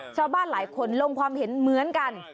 ชาวบ้านหลายคนลงความเห็นเหมือนกัน